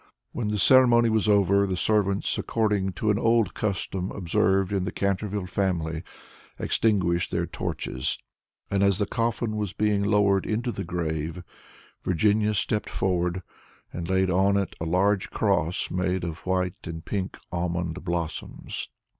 When the ceremony was over, the servants, according to an old custom observed in the Canterville family, extinguished their torches, and, as the coffin was being lowered into the grave, Virginia stepped forward, and laid on it a large cross made of white and pink almond blossoms.